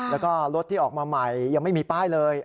แล้วก็รถที่ออกมาใหม่ยังไม่มีป้ายเลย